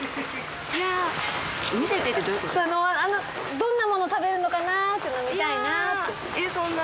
どんなもの食べるのかなっていうのを見たいなって。